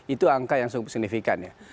itu angka yang signifikan ya